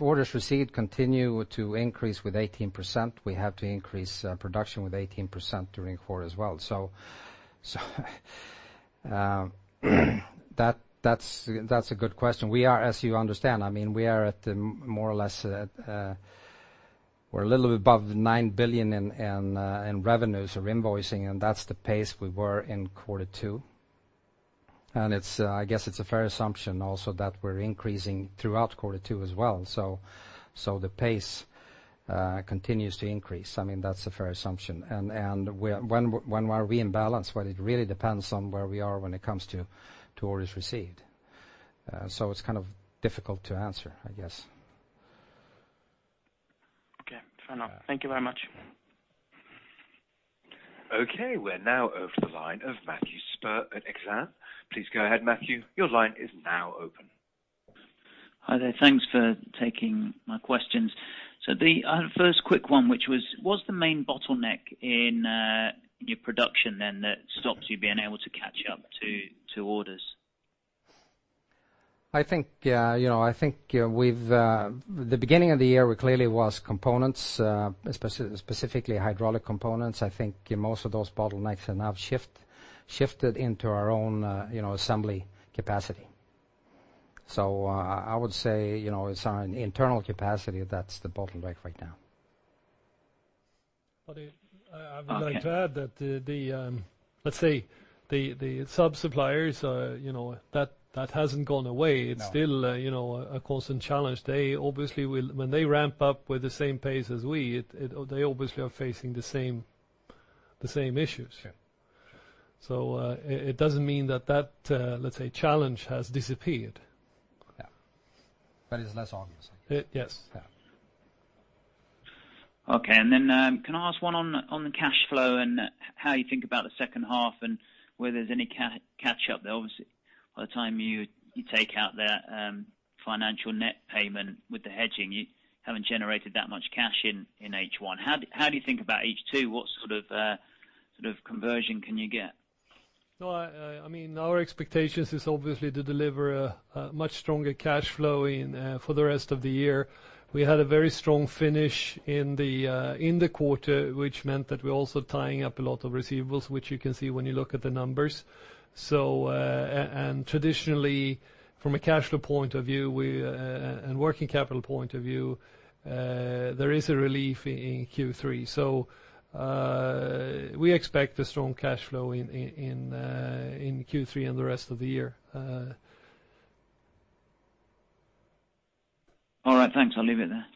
Speaker 2: orders received continue to increase with 18%, we have to increase production with 18% during quarter as well. That's a good question. As you understand, we're a little bit above 9 billion in revenues or invoicing, and that's the pace we were in quarter 2. I guess it's a fair assumption also that we're increasing throughout quarter 2 as well. The pace continues to increase. That's a fair assumption. When are we in balance? Well, it really depends on where we are when it comes to orders received. It's kind of difficult to answer, I guess.
Speaker 11: Fair enough. Thank you very much.
Speaker 6: We're now over to the line of Matthew Spurr at Exane. Please go ahead, Matthew. Your line is now open.
Speaker 12: Hi there. Thanks for taking my questions. The first quick one, which was, what's the main bottleneck in your production then that stops you being able to catch up to orders?
Speaker 2: I think at the beginning of the year it clearly was components, specifically hydraulic components. I think most of those bottlenecks have now shifted into our own assembly capacity. I would say it's our internal capacity that's the bottleneck right now.
Speaker 3: I would like to add that the sub-suppliers, that hasn't gone away.
Speaker 2: No.
Speaker 3: It's still a constant challenge. When they ramp up with the same pace as we, they obviously are facing the same issues.
Speaker 2: Sure.
Speaker 3: It doesn't mean that that challenge has disappeared.
Speaker 2: It's less obvious.
Speaker 3: Yes.
Speaker 2: Yeah.
Speaker 12: Can I ask one on the cash flow and how you think about the second half and whether there's any catch up there? Obviously, by the time you take out that financial net payment with the hedging, you haven't generated that much cash in H1. How do you think about H2? What sort of conversion can you get?
Speaker 3: Our expectations is obviously to deliver a much stronger cash flow for the rest of the year. We had a very strong finish in the quarter, which meant that we're also tying up a lot of receivables, which you can see when you look at the numbers. Traditionally, from a cash flow point of view and working capital point of view, there is a relief in Q3. We expect a strong cash flow in Q3 and the rest of the year.
Speaker 12: All right, thanks. I'll leave it there.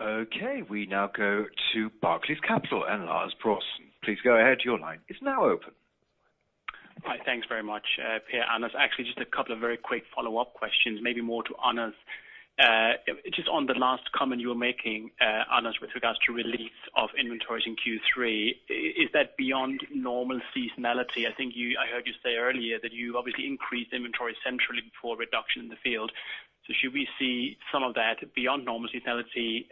Speaker 3: Okay.
Speaker 6: Okay. We now go to Barclays Capital, analyst Prateek. Please go ahead. Your line is now open.
Speaker 13: Hi. Thanks very much, Per and Anders. Actually, just a couple of very quick follow-up questions, maybe more to Anders. Just on the last comment you were making, Anders, with regards to release of inventories in Q3, is that beyond normal seasonality? I think I heard you say earlier that you've obviously increased inventory centrally before reduction in the field. Should we see some of that beyond normal seasonality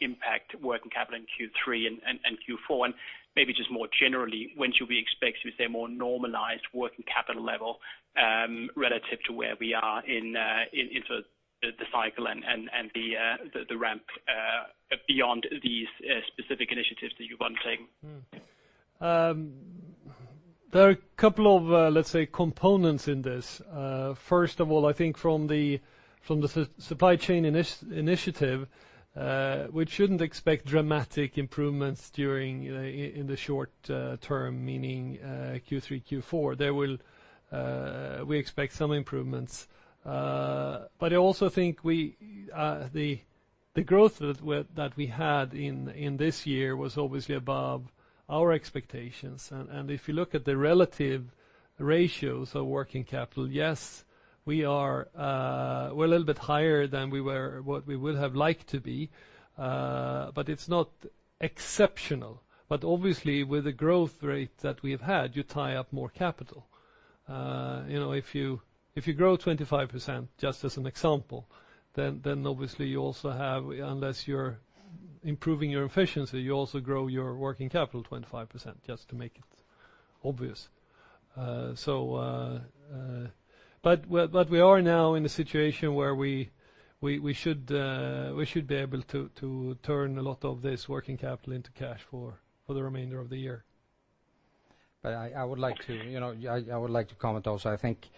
Speaker 13: impact working capital in Q3 and Q4? Maybe just more generally, when should we expect to see a more normalized working capital level relative to where we are in the cycle and the ramp beyond these specific initiatives that you're undertaking?
Speaker 3: There are a couple of components in this. First of all, I think from the supply chain initiative, we shouldn't expect dramatic improvements in the short term, meaning Q3, Q4. We expect some improvements. I also think the growth that we had in this year was obviously above our expectations. If you look at the relative ratios of working capital, yes, we're a little bit higher than what we would have liked to be. It's not exceptional. Obviously, with the growth rate that we've had, you tie up more capital. If you grow 25%, just as an example, obviously, unless you're improving your efficiency, you also grow your working capital 25%, just to make it obvious. We are now in a situation where we should be able to turn a lot of this working capital into cash for the remainder of the year.
Speaker 2: I would like to comment also. I think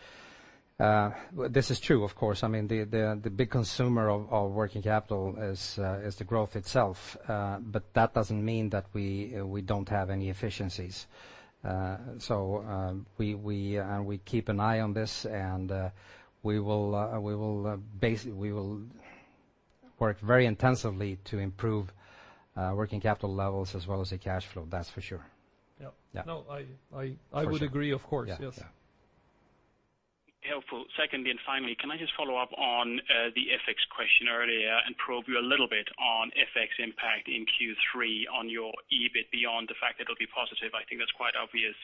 Speaker 2: this is true, of course. The big consumer of working capital is the growth itself, but that doesn't mean that we don't have any efficiencies. We keep an eye on this, and we will work very intensively to improve working capital levels as well as the cash flow. That's for sure.
Speaker 3: Yeah.
Speaker 2: Yeah.
Speaker 3: No, I would agree, of course. Yes.
Speaker 2: Yeah.
Speaker 13: Helpful. Secondly, and finally, can I just follow up on the FX question earlier and probe you a little bit on FX impact in Q3 on your EBIT beyond the fact that it'll be positive? I think that's quite obvious.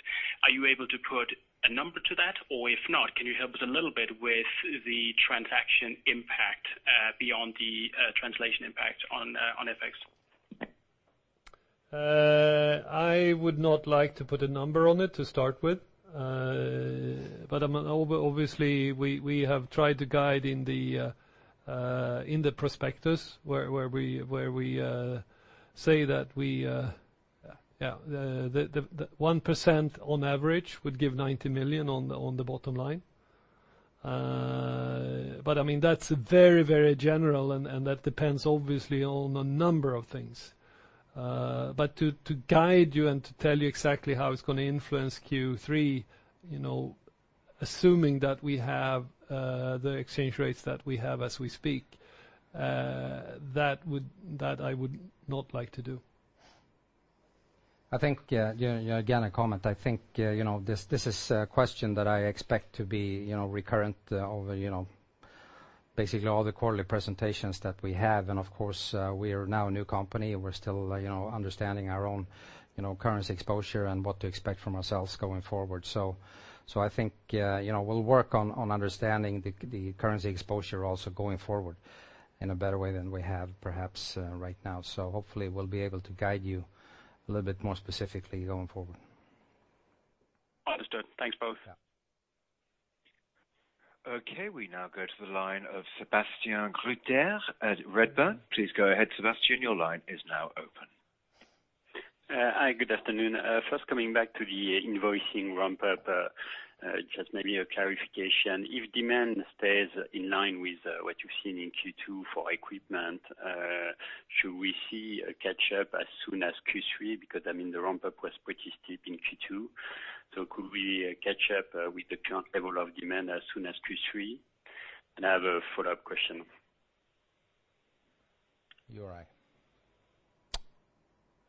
Speaker 13: Are you able to put a number to that? If not, can you help us a little bit with the transaction impact beyond the translation impact on FX?
Speaker 3: I would not like to put a number on it to start with. Obviously we have tried to guide in the prospectus where we say that 1% on average would give 90 million on the bottom line. That's very general and that depends obviously on a number of things. To guide you and to tell you exactly how it's going to influence Q3, assuming that we have the exchange rates that we have as we speak, that I would not like to do.
Speaker 2: Again, a comment. I think this is a question that I expect to be recurrent over basically all the quarterly presentations that we have, of course, we are now a new company, we are still understanding our own currency exposure and what to expect from ourselves going forward. I think we will work on understanding the currency exposure also going forward in a better way than we have perhaps right now. Hopefully we will be able to guide you a little bit more specifically going forward.
Speaker 13: Understood. Thanks both.
Speaker 3: Yeah.
Speaker 6: We now go to the line of Sebastien Gruter at Redburn. Please go ahead, Sebastian, your line is now open.
Speaker 14: Hi, good afternoon. First, coming back to the invoicing ramp-up, just maybe a clarification. If demand stays in line with what you have seen in Q2 for equipment, should we see a catch-up as soon as Q3? I mean, the ramp-up was pretty steep in Q2, could we catch up with the current level of demand as soon as Q3? I have a follow-up question.
Speaker 2: You all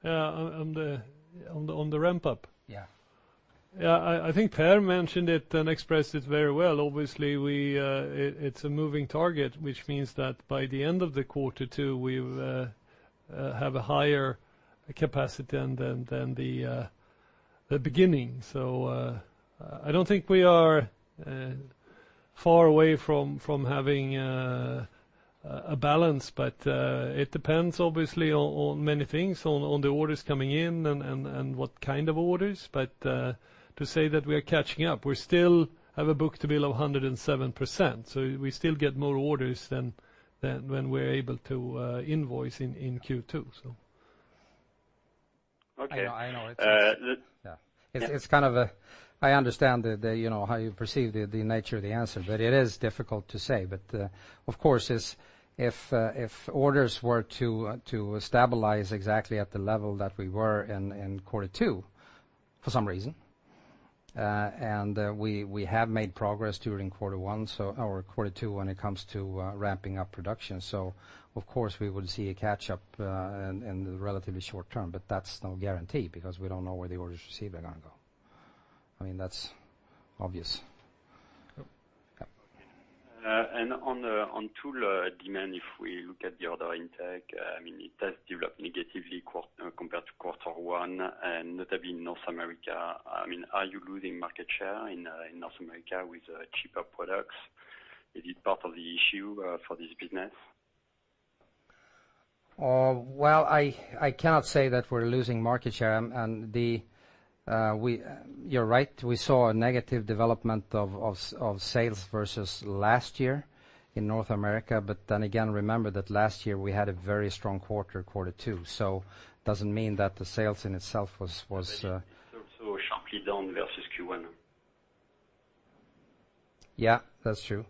Speaker 2: right?
Speaker 3: On the ramp-up?
Speaker 14: Yeah.
Speaker 3: Yeah, I think Per mentioned it and expressed it very well. Obviously, it's a moving target, which means that by the end of the quarter two, we'll have a higher capacity than the beginning. I don't think we are far away from having a balance, but it depends obviously on many things, on the orders coming in and what kind of orders. To say that we are catching up, we still have a book-to-bill of 107%, so we still get more orders than when we're able to invoice in Q2.
Speaker 14: Okay.
Speaker 2: I know it is. Yeah. I understand how you perceive the nature of the answer, but it is difficult to say. Of course, if orders were to stabilize exactly at the level that we were in quarter two for some reason, and we have made progress during quarter one or quarter two when it comes to ramping up production. Of course, we would see a catch-up in the relatively short term, but that's no guarantee because we don't know where the orders received are going to go. That's obvious.
Speaker 3: Yep.
Speaker 2: Yeah.
Speaker 14: On tool demand, if we look at the order intake, it does develop negatively compared to quarter one and notably in North America. Are you losing market share in North America with cheaper products? Is it part of the issue for this business?
Speaker 2: Well, I cannot say that we're losing market share, and you're right, we saw a negative development of sales versus last year in North America, but then again, remember that last year we had a very strong quarter two, so doesn't mean that the sales in itself was.
Speaker 14: It is still so sharply down versus Q1.
Speaker 2: Yeah, that's true.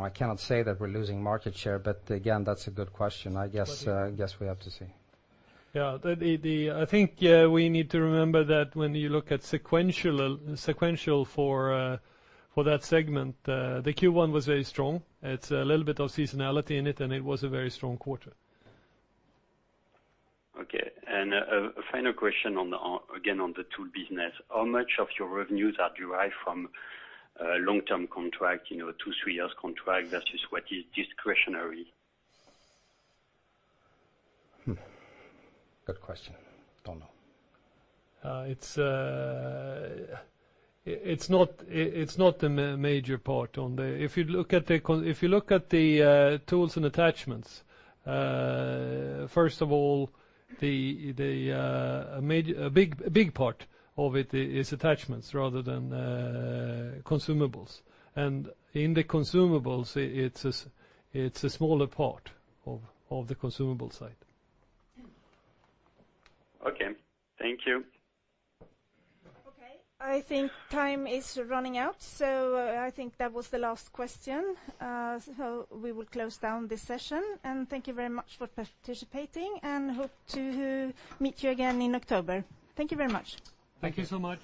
Speaker 2: I cannot say that we're losing market share, but again, that's a good question. I guess we have to see.
Speaker 3: Yeah. I think we need to remember that when you look at sequential for that segment, the Q1 was very strong. It's a little bit of seasonality in it. It was a very strong quarter.
Speaker 14: Okay. A final question, again, on the tool business. How much of your revenues are derived from long-term contract, two, three years contract versus what is discretionary?
Speaker 2: Good question. Don't know.
Speaker 3: If you look at the tools and attachments, first of all, a big part of it is attachments rather than consumables. In the consumables, it's a smaller part of the consumable side.
Speaker 14: Okay. Thank you.
Speaker 1: Okay, I think time is running out, so I think that was the last question. We will close down this session, and thank you very much for participating, and hope to meet you again in October. Thank you very much.
Speaker 2: Thank you so much.